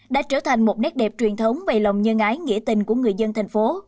đã trở thành một nét đẹp truyền thống về lòng nhân ái nghĩa tình của người dân thành phố